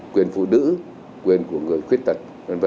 quyền phụ nữ quyền của người khuyết tật